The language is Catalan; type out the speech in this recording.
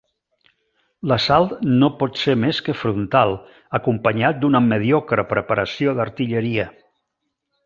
L'assalt no pot ser més que frontal, acompanyat d'una mediocre preparació d'artilleria.